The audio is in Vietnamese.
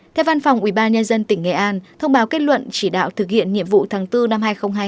theo văn phòng ubnd tỉnh nghệ an thông báo kết luận chỉ đạo thực hiện nhiệm vụ tháng bốn năm hai nghìn hai mươi